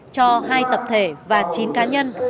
cho hai tập thể và chín cá nhân